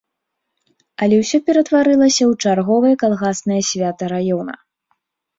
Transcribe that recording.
Але ўсе ператварылася ў чарговае калгаснае свята раёна.